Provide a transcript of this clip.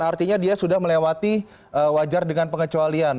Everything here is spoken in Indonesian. artinya dia sudah melewati wajar dengan pengecualian